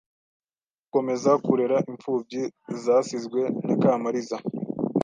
gukomeza kurera imfubyi zasizwe na Kamaliza